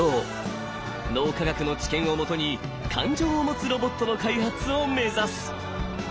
脳科学の知見をもとに感情を持つロボットの開発を目指す。